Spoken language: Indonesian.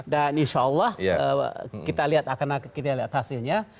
dan insya allah kita lihat akan kita lihat hasilnya